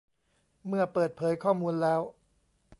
เมื่อเปิดเผยข้อมูลแล้ว